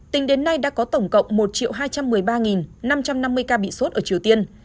tính đến nay đã có tổng cộng một hai trăm một mươi ba năm trăm năm mươi ca bị sốt ở triều tiên